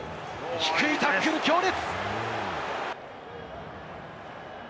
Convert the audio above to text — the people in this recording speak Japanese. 低いタックル、強烈！